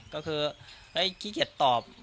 ก็คือคิดเกียจตอบ